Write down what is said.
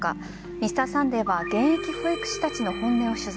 「Ｍｒ．サンデー」は現役保育士たちの本音を取材。